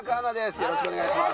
よろしくお願いします。